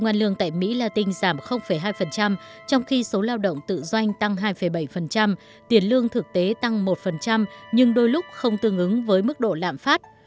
công an lương tại mỹ latin giảm hai trong khi số lao động tự do tăng hai bảy tiền lương thực tế tăng một nhưng đôi lúc không tương ứng với mức độ lạm phát